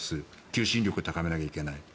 求心力を高めなきゃいけない。